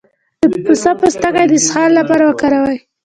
د پسته پوستکی د اسهال لپاره وکاروئ